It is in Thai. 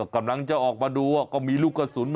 กำลังจะออกมาดูก็มีลูกกระสุน